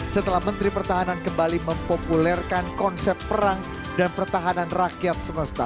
setelah menteri pertahanan kembali mempopulerkan konsep perang dan pertahanan rakyat semesta